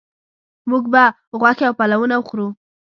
موږ به غوښې او پلونه وخورو